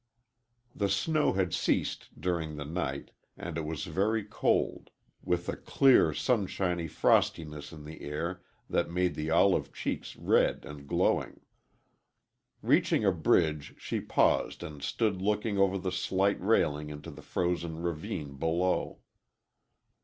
The snow had ceased during the night, and it was very cold, with a clear sunshiny frostiness in the air that made the olive cheeks red and glowing. Reaching a bridge, she paused and stood looking over the slight railing into the frozen ravine below.